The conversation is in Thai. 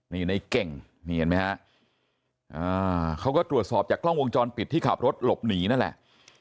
นี่ในเก่งนี่เห็นไหมฮะเขาก็ตรวจสอบจากกล้องวงจรปิดที่ขับรถหลบหนีนั่นแหละ